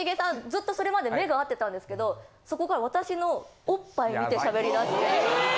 ずっとそれまで目が合ってたんですけどそこから私のオッパイを見てしゃべりだして。